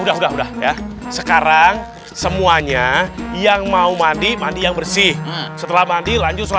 udah udah ya sekarang semuanya yang mau mandi mandi yang bersih setelah mandi lanjut soal